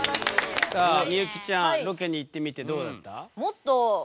さあ幸ちゃんロケに行ってみてどうだった？